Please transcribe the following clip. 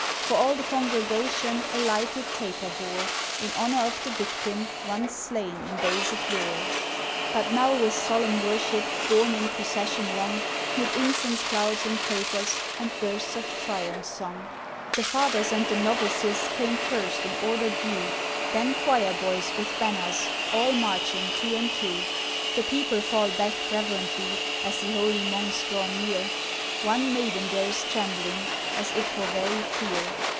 For all the congregation A lighted taper bore, In honour of the Victim, Once slain in days of yore. But now with solemn worship Borne in procession long, Mid incense clouds, and tapers, And bursts of triumph song. The Fathers and the Novices Came first in order due, Then choir boys with banners, All marching two and two. The people fall back reverently, As th' holy Monks draw near, One maiden there is trembling, As if for very fear.